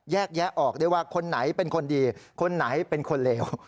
แยะออกได้ว่าคนไหนเป็นคนดีคนไหนเป็นคนเลว